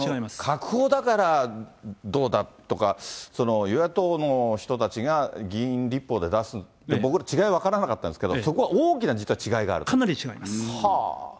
閣法だからどうだとか、与野党の人たちが議員立法で出すって、僕ら、違い分からなかったんですけど、そこは大きな実は違いがあると。